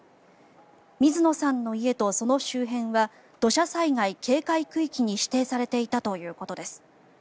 水野さんの家とその周辺は土砂災害警戒区域に指定されていたということです。